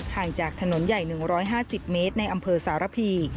ห่างจากถนนใหญ่๑๕๐เมตรในอำเภอสารพี